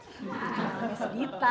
sama si dita